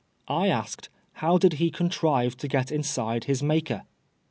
I asked, " How did he contrive to get in side his maker